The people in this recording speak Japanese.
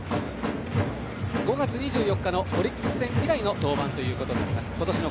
５月２４日のオリックス戦以来の登板になります。